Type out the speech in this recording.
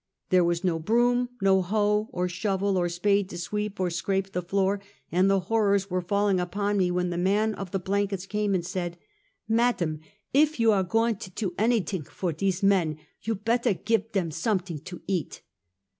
There was [no broom, no hoe, or shovel, or spade to sweep or scrape the floor; and the horrors were falling upon me when the man of the blankets came, and said: " Mattam, iv you are goin' to do any ding for tese men, you petter git dem someding to eat."